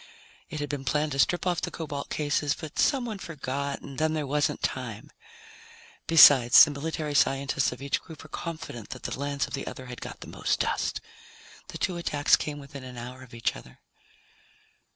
It had been planned to strip off the cobalt cases, but someone forgot and then there wasn't time. Besides, the military scientists of each group were confident that the lands of the other had got the most dust. The two attacks came within an hour of each other.